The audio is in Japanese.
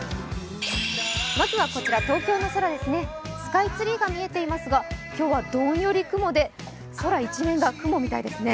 スカイツリーが見えていますが今日はどんより雲で、空一面が雲みたいですね。